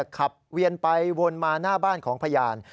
เวียนไปวนมาหน้าบ้านของพยาน